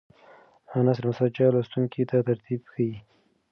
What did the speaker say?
نثر مسجع لوستونکي ته ترتیب ښیي.